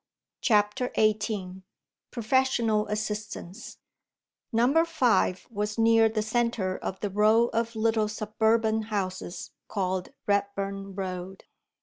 CHAPTER XVIII PROFESSIONAL ASSISTANCE NUMBER Five was near the centre of the row of little suburban houses called Redburn Road.